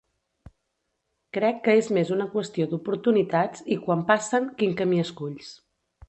Crec que és més una qüestió d’oportunitats i, quan passen, quin camí esculls.